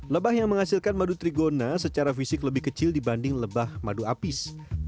lebah yang menghasilkan madu trigona secara fisik lebih kecil dibanding lebah madu apis